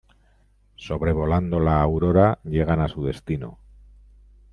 Sobrevolando la Aurora, llegan a su destino.